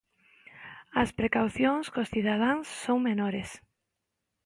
As precaucións cos cidadáns son menores.